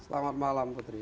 selamat malam ketri